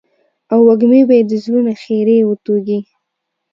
او وږمې به يې د زړونو خيري وتوږي.